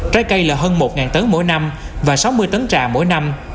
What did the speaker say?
trái cây là hơn một tấn mỗi năm và sáu mươi tấn trà mỗi năm